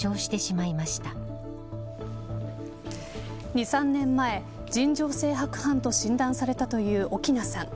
２、３年前尋常性白斑と診断されたという奥菜さん。